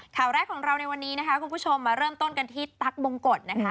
ข่าวแรกของเราในวันนี้นะคะคุณผู้ชมมาเริ่มต้นกันที่ตั๊กบงกฎนะคะ